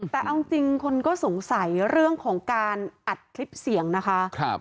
แต่เอาจริงคนก็สงสัยเรื่องของการอัดคลิปเสียงนะคะ